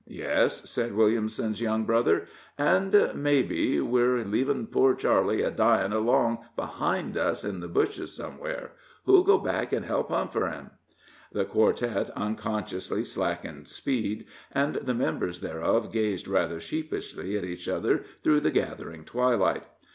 "Yes," said Williamson's younger brother, "an' mebbe we're leavin' poor Charley a dyin' along behind us in the bushes somewhere. Who'll go back an' help hunt for him!" The quartet unconsciously slackened speed, and the members thereof gazed rather sheepishly at each other through the gathering twilight.